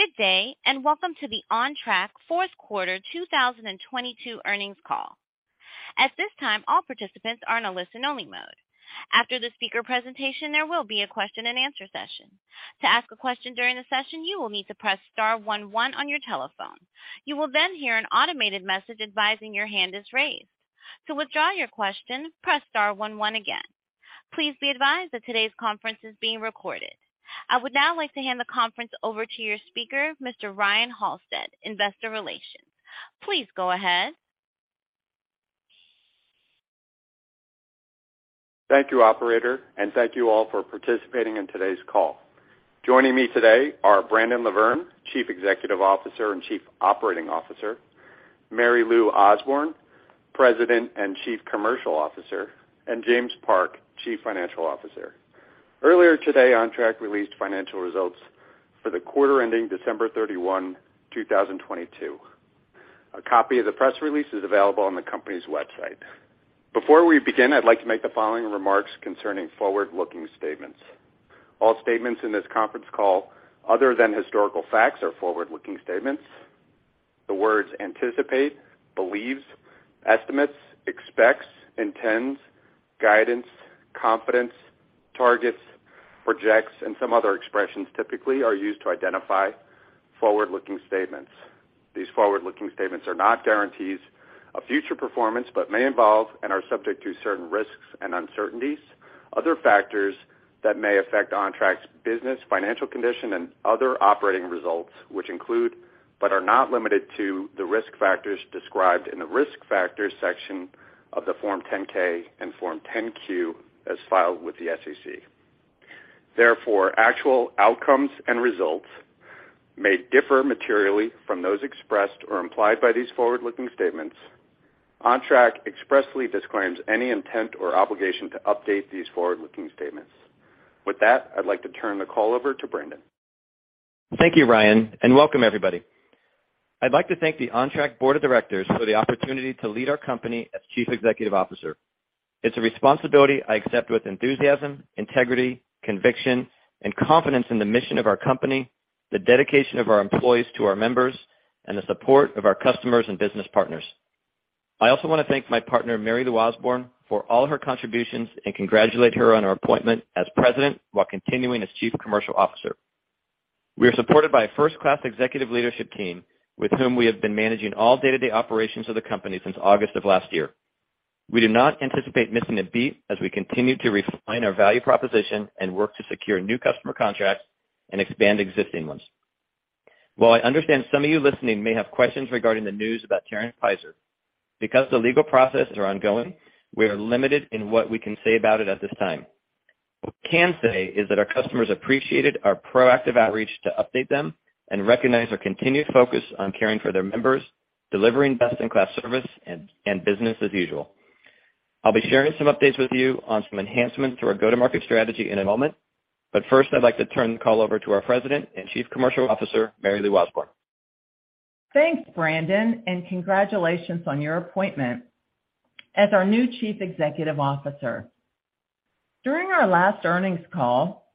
Good day, and welcome to the Ontrak Fourth Quarter 2022 Earnings Call. At this time, all participants are in a listen-only mode. After the speaker presentation, there will be a question-and-answer session. To ask a question during the session, you will need to press star one, one on your telephone. You will then hear an automated message advising your hand is raised. To withdraw your question, press star one, one again. Please be advised that today's conference is being recorded. I would now like to hand the conference over to your speaker, Mr. Ryan Halstead, Investor Relations. Please go ahead. Thank you, operator, and thank you all for participating in today's call. Joining me today are Brandon LaVerne, Chief Executive Officer and Chief Operating Officer; Mary Lou Osborne, President and Chief Commercial Officer; and James Park, Chief Financial Officer. Earlier today, Ontrak released financial results for the quarter ending December 31, 2022. A copy of the press release is available on the company's website. Before we begin, I'd like to make the following remarks concerning forward-looking statements. All statements in this conference call other than historical facts are forward-looking statements. The words anticipate, believes, estimates, expects, intends, guidance, confidence, targets, projects, and some other expressions typically are used to identify forward-looking statements. These forward-looking statements are not guarantees of future performance, but may involve and are subject to certain risks and uncertainties, other factors that may affect Ontrak's business, financial condition, and other operating results, which include, but are not limited to, the risk factors described in the Risk Factors section of the Form 10-K and Form 10-Q as filed with the SEC. Therefore, actual outcomes and results may differ materially from those expressed or implied by these forward-looking statements. Ontrak expressly disclaims any intent or obligation to update these forward-looking statements. With that, I'd like to turn the call over to Brandon. Thank you, Ryan, and welcome everybody. I'd like to thank the Ontrak Board of Directors for the opportunity to lead our company as Chief Executive Officer. It's a responsibility I accept with enthusiasm, integrity, conviction, and confidence in the mission of our company, the dedication of our employees to our members, and the support of our customers and business partners. I also want to thank my partner, Mary Lou Osborne, for all her contributions and congratulate her on her appointment as President while continuing as Chief Commercial Officer. We are supported by a first-class executive leadership team with whom we have been managing all day-to-day operations of the company since August of last year. We do not anticipate missing a beat as we continue to refine our value proposition and work to secure new customer contracts and expand existing ones. While I understand some of you listening may have questions regarding the news about Terren Peizer, because the legal process is ongoing, we are limited in what we can say about it at this time. What we can say is that our customers appreciated our proactive outreach to update them and recognize our continued focus on caring for their members, delivering best-in-class service and business as usual. I'll be sharing some updates with you on some enhancements to our go-to-market strategy in a moment, but first, I'd like to turn the call over to our President and Chief Commercial Officer, Mary Lou Osborne. Thanks, Brandon, and congratulations on your appointment as our new Chief Executive Officer. During our last earnings call,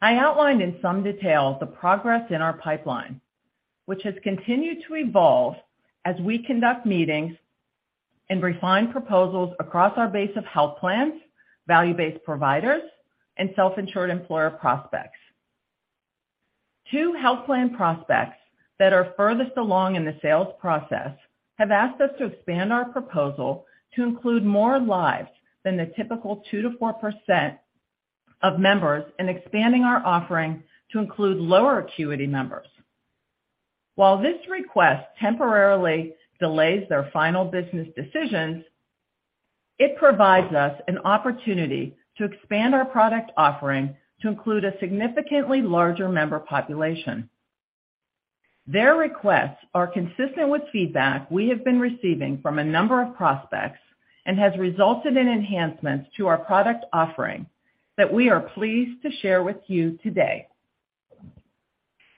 I outlined in some detail the progress in our pipeline, which has continued to evolve as we conduct meetings and refine proposals across our base of health plans, value-based providers, and self-insured employer prospects. Two health plan prospects that are furthest along in the sales process have asked us to expand their proposal to include more lives than the typical 2%-4% of members in expanding our offering to include lower acuity members. While this request temporarily delays their final business decisions, it provides us an opportunity to expand our product offering to include a significantly larger member population. Their requests are consistent with feedback we have been receiving from a number of prospects and has resulted in enhancements to our product offering that we are pleased to share with you today.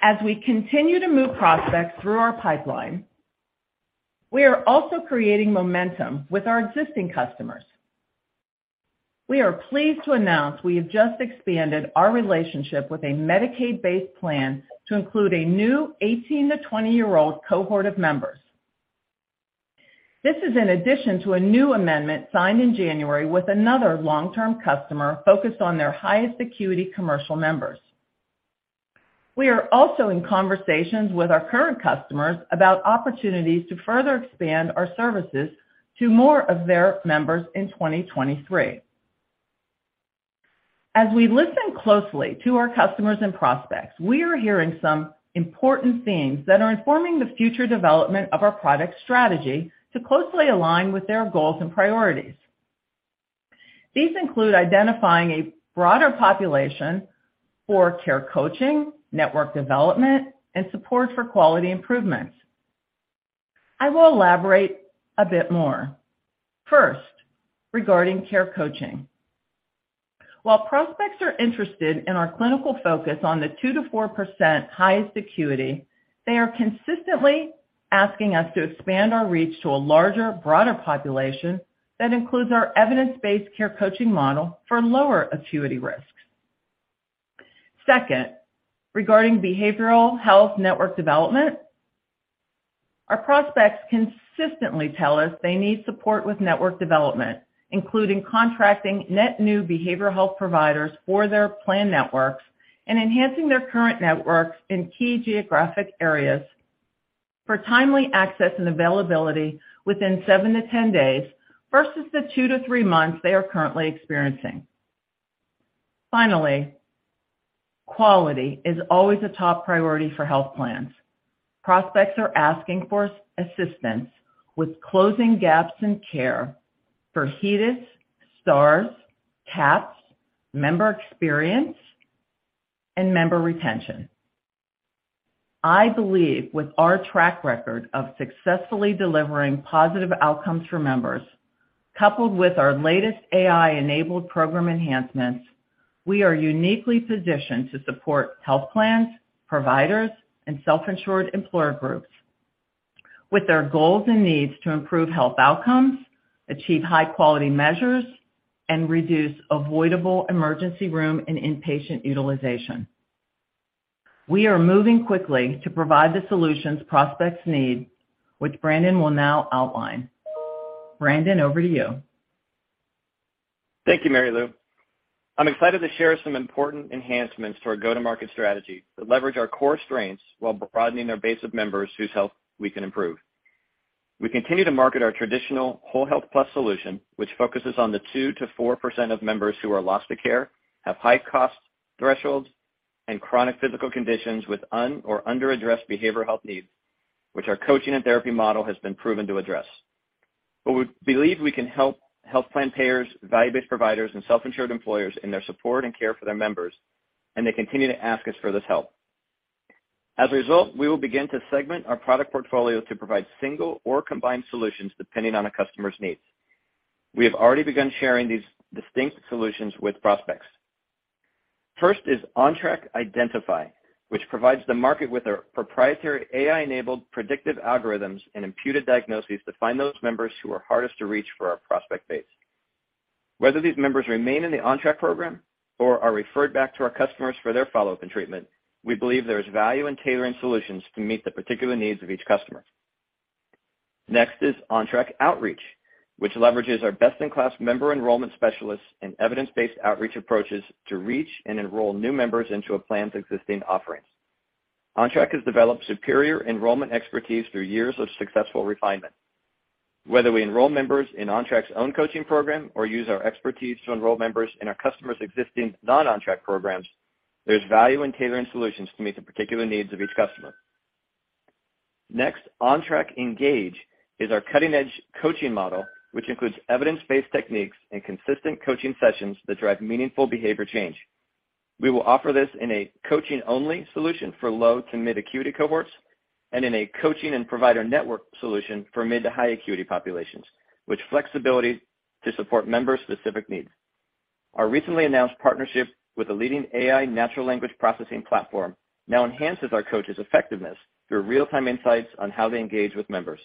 As we continue to move prospects through our pipeline, we are also creating momentum with our existing customers. We are pleased to announce we have just expanded our relationship with a Medicaid-based plan to include a new 18-20-year-old cohort of members. This is in addition to a new amendment signed in January with another long-term customer focused on their highest acuity commercial members. We are also in conversations with our current customers about opportunities to further expand our services to more of their members in 2023. As we listen closely to our customers and prospects, we are hearing some important themes that are informing the future development of our product strategy to closely align with their goals and priorities. These include identifying a broader population for care coaching, network development, and support for quality improvements. I will elaborate a bit more. First, regarding care coaching. While prospects are interested in our clinical focus on the 2%-4% highest acuity, they are consistently asking us to expand their reach to a larger, broader population that includes our evidence-based care coaching model for lower acuity risks. Second, regarding behavioral health network development, our prospects consistently tell us they need support with network development, including contracting net new behavioral health providers for their plan networks and enhancing their current networks in key geographic areas for timely access and availability within seven to 10 days versus the two to three months they are currently experiencing. Finally, quality is always a top priority for health plans. Prospects are asking for assistance with closing gaps in care for HEDIS, Stars, CAHPS, member experience, and member retention. I believe with our track record of successfully delivering positive outcomes for members, coupled with our latest AI-enabled program enhancements, we are uniquely positioned to support health plans, providers, and self-insured employer groups with their goals and needs to improve health outcomes, achieve high-quality measures, and reduce avoidable emergency room and inpatient utilization. We are moving quickly to provide the solutions prospects need, which Brandon will now outline. Brandon, over to you. Thank you, Mary Lou. I'm excited to share some important enhancements to our go-to-market strategy that leverage our core strengths while broadening our base of members whose health we can improve. We continue to market our traditional WholeHealth+ solution, which focuses on the 2%-4% of members who are lost to care, have high cost thresholds, and chronic physical conditions with under-addressed behavioral health needs, which our coaching and therapy model has been proven to address. We believe we can help health plan payers, value-based providers, and self-insured employers in their support and care for their members, and they continue to ask us for this help. As a result, we will begin to segment our product portfolio to provide single or combined solutions depending on a customer's needs. We have already begun sharing these distinct solutions with prospects. First is Ontrak Identify, which provides the market with our proprietary AI-enabled predictive algorithms and imputed diagnoses to find those members who are hardest to reach for our prospect base. Whether these members remain in the Ontrak program or are referred back to our customers for their follow-up and treatment, we believe there is value in tailoring solutions to meet the particular needs of each customer. Next is Ontrak Outreach, which leverages our best-in-class member enrollment specialists and evidence-based outreach approaches to reach and enroll new members into a plan's existing offerings. Ontrak has developed superior enrollment expertise through years of successful refinement. Whether we enroll members in Ontrak's own coaching program or use our expertise to enroll members in our customers' existing non-Ontrak programs, there's value in tailoring solutions to meet the particular needs of each customer. Ontrak Engage is our cutting-edge coaching model, which includes evidence-based techniques and consistent coaching sessions that drive meaningful behavior change. We will offer this in a coaching-only solution for low to mid acuity cohorts and in a coaching and provider network solution for mid to high acuity populations, with flexibility to support members' specific needs. Our recently announced partnership with a leading AI natural language processing platform now enhances our coaches' effectiveness through real-time insights on how they engage with members.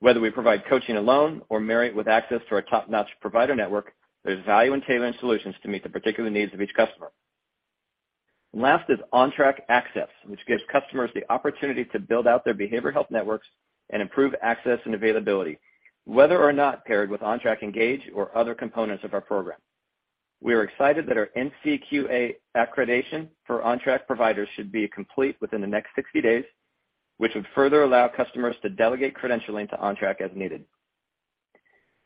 Whether we provide coaching alone or marry it with access to our top-notch provider network, there's value in tailoring solutions to meet the particular needs of each customer. Last is Ontrak Access, which gives customers the opportunity to build out their behavioral health networks and improve access and availability, whether or not paired with Ontrak Engage or other components of our program. We are excited that our NCQA accreditation for Ontrak providers should be complete within the next 60 days, which would further allow customers to delegate credentialing to Ontrak as needed.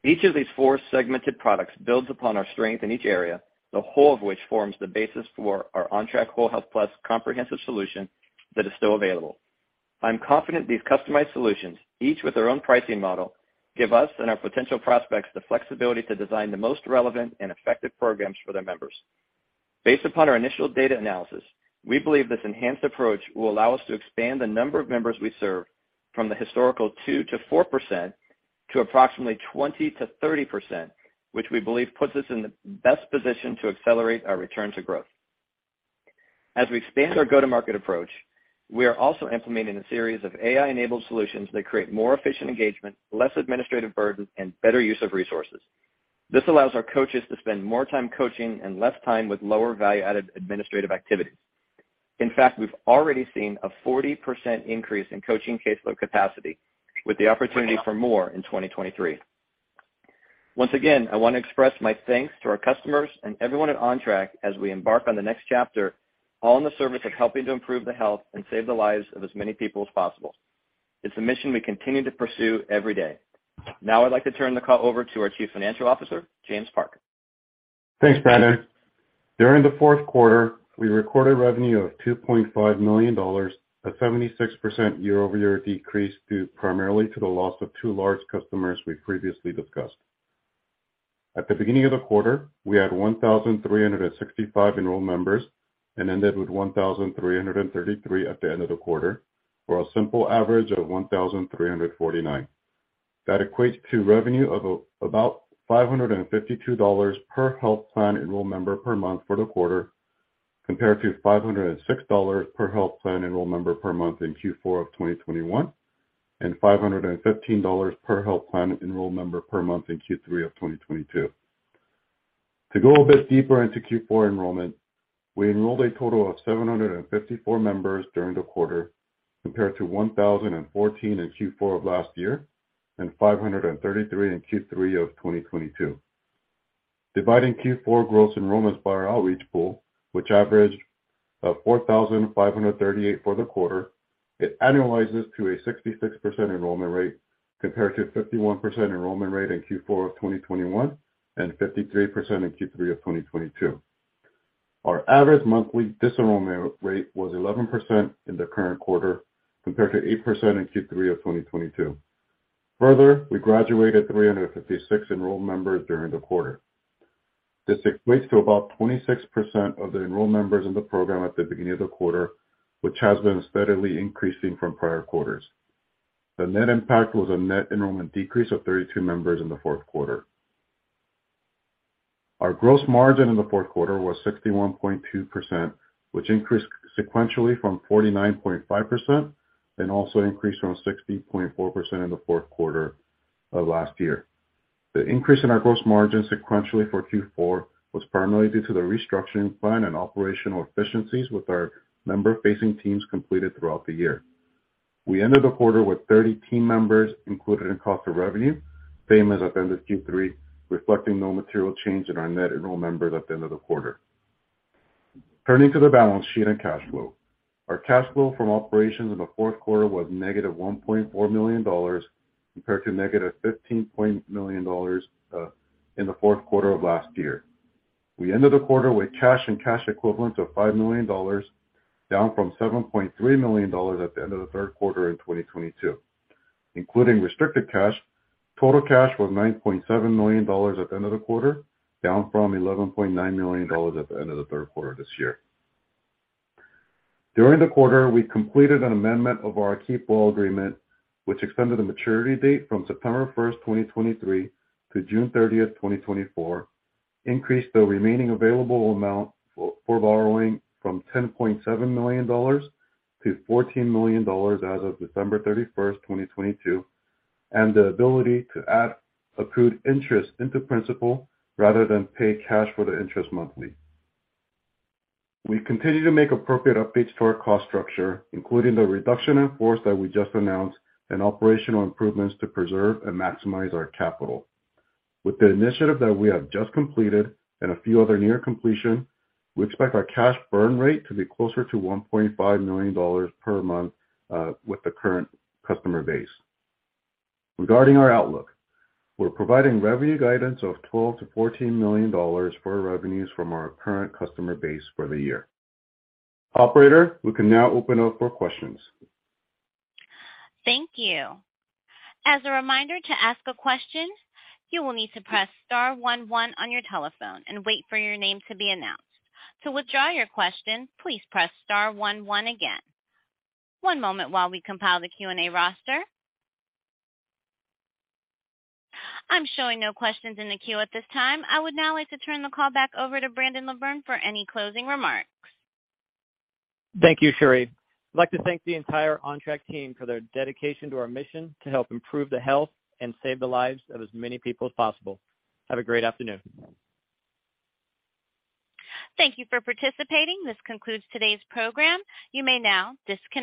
Each of these four segmented products builds upon our strength in each area, the whole of which forms the basis for our Ontrak WholeHealth+ comprehensive solution that is still available. I'm confident these customized solutions, each with their own pricing model, give us and our potential prospects the flexibility to design the most relevant and effective programs for their members. Based upon our initial data analysis, we believe this enhanced approach will allow us to expand the number of members we serve from the historical 2%-4% to approximately 20%-30%, which we believe puts us in the best position to accelerate our return to growth. As we expand our go-to-market approach, we are also implementing a series of AI-enabled solutions that create more efficient engagement, less administrative burden, and better use of resources. This allows our coaches to spend more time coaching and less time with lower value-added administrative activities. In fact, we've already seen a 40% increase in coaching caseload capacity with the opportunity for more in 2023. Once again, I want to express my thanks to our customers and everyone at Ontrak as we embark on the next chapter, all in the service of helping to improve the health and save the lives of as many people as possible. It's a mission we continue to pursue every day. I'd like to turn the call over to our Chief Financial Officer, James Park. Thanks, Brandon. During the fourth quarter, we recorded revenue of $2.5 million, a 76% year-over-year decrease due primarily to the loss of two large customers we previously discussed. At the beginning of the quarter, we had 1,365 enrolled members and ended with 1,333 at the end of the quarter, for a simple average of 1,349. That equates to revenue of about $552 per health plan enrolled member per month for the quarter. Compared to $506 per health plan enrolled member per month in Q4 of 2021, and $515 per health plan enrolled member per month in Q3 of 2022. To go a bit deeper into Q4 enrollment, we enrolled a total of 754 members during the quarter, compared to 1,014 in Q4 of last year, and 533 in Q3 of 2022. Dividing Q4 gross enrollments by our outreach pool, which averaged 4,538 for the quarter, it annualizes to a 66% enrollment rate, compared to 51% enrollment rate in Q4 of 2021, and 53% in Q3 of 2022. Our average monthly disenrollment rate was 11% in the current quarter, compared to 8% in Q3 of 2022. Further, we graduated 356 enrolled members during the quarter. This equates to about 26% of the enrolled members in the program at the beginning of the quarter, which has been steadily increasing from prior quarters. The net impact was a net enrollment decrease of 32 members in the fourth quarter. Our gross margin in the fourth quarter was 61.2%, which increased sequentially from 49.5% and also increased from 60.4% in the fourth quarter of last year. The increase in our gross margin sequentially for Q4 was primarily due to the restructuring plan and operational efficiencies with our member-facing teams completed throughout the year. We ended the quarter with 30 team members included in cost of revenue, same as at the end of Q3, reflecting no material change in our net enrolled members at the end of the quarter. Turning to the balance sheet and cash flow. Our cash flow from operations in the fourth quarter was -$1.4 million, compared to -$15 point million in the fourth quarter of last year. We ended the quarter with cash and cash equivalents of $5 million, down from $7.3 million at the end of the third quarter in 2022. Including restricted cash, total cash was $9.7 million at the end of the quarter, down from $11.9 million at the end of the third quarter this year. During the quarter, we completed an amendment of our keep well agreement, which extended the maturity date from September 1, 2023 to June 30, 2024, increased the remaining available amount for borrowing from $10.7 million to $14 million as of December 31, 2022, and the ability to add accrued interest into principal rather than pay cash for the interest monthly. We continue to make appropriate updates to our cost structure, including the reduction in force that we just announced and operational improvements to preserve and maximize our capital. With the initiative that we have just completed and a few other near completion, we expect our cash burn rate to be closer to $1.5 million per month with the current customer base. Regarding our outlook, we're providing revenue guidance of $12 million-$14 million for revenues from our current customer base for the year. Operator, we can now open up for questions. Thank you. As a reminder to ask a question, you will need to press star one one on your telephone and wait for your name to be announced. To withdraw your question, please press star one one again. One moment while we compile the Q&A roster. I'm showing no questions in the queue at this time. I would now like to turn the call back over to Brandon LaVerne for any closing remarks. Thank you, Cherie. I'd like to thank the entire Ontrak team for their dedication to our mission to help improve the health and save the lives of as many people as possible. Have a great afternoon. Thank you for participating. This concludes today's program. You may now disconnect.